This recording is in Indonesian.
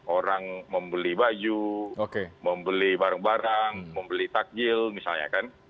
orang membeli baju membeli barang barang membeli takjil misalnya kan